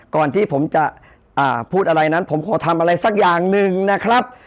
ก่อนที่ผมจะพูดอะไรนั้นผมขอทำอะไรสักอย่างหนึ่งนะครับ